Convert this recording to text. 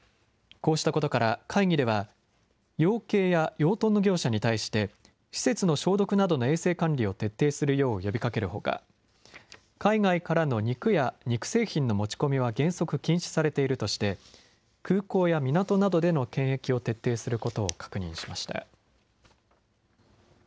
こうしたことから会議では、養鶏や養豚の業者に対して、施設の消毒などの衛生管理を徹底するよう呼びかけるほか、海外からの肉や肉製品の持ち込みは原則禁止されているとして、空港や港などでの検疫を徹底することを確認しました。